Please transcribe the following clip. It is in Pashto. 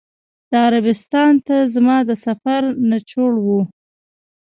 دا عربستان ته زما د سفر نچوړ و.